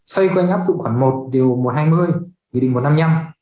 xoay quanh áp dụng khoản một điều một trăm hai mươi quy định một trăm năm mươi năm